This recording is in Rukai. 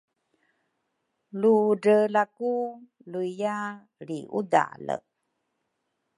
ludreelaku luiya lriudale.